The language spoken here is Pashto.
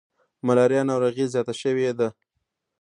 ملاریا ناروغي زیاته شوي ده.